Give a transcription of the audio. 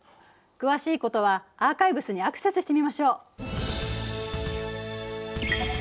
詳しいことはアーカイブスにアクセスしてみましょう。